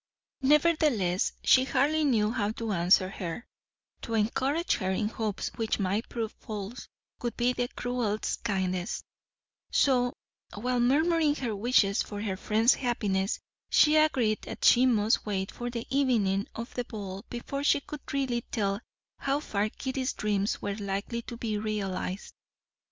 Nevertheless, she hardly knew how to answer her; to encourage her in hopes which might prove false would be the cruellest kindness, so, while, murmuring her wishes for her friend's happiness, she agreed that she must wait for the evening of the ball before she could really tell how far Kitty's dreams were likely to be realized.